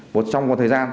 một trong một thời gian